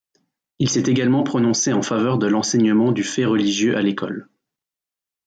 Il s'est également prononcé en faveur de l'enseignement du fait religieux à l'école.